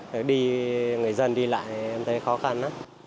thì người dân đi lại thì em thấy khó khăn